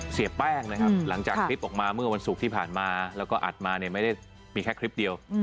เสียแป้งนะครับหลังจากคลิปออกมาเมื่อวันศุกร์ที่ผ่านมาแล้วก็อัดมาเนี่ยไม่ได้มีแค่คลิปเดียว